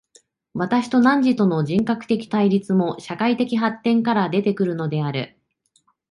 私と汝との人格的対立も、社会的発展から出て来るのである。